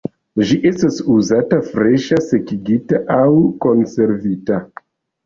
Ĝi estas uzata freŝa, sekigita aŭ konservita.